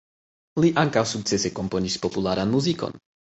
Li ankaŭ sukcese komponis popularan muzikon.